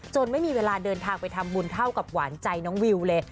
ไม่มีเวลาเดินทางไปทำบุญเท่ากับหวานใจน้องวิวเลย